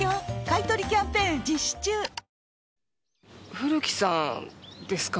古木さんですか？